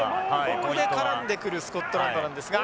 ここで絡んでくるスコットランドなんですが。